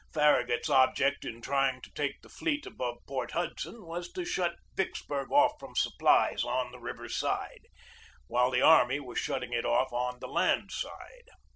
Farragut's object in trying to take the fleet above Port Hudson was to shut Vicksburg off from supplies on the river side, while the army was shutting it off on the land side.